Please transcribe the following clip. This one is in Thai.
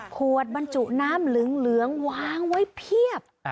บรรจุน้ำเหลืองวางไว้เพียบ